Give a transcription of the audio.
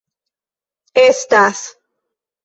estas